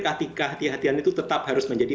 ketika hati hatian itu tetap harus menjadi